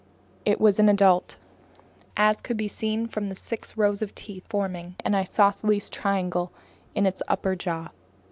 It was an adult, as could be seen from the six rows of teeth forming an isosceles triangle in its upper jaw.